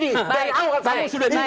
dan awal saya sudah di sini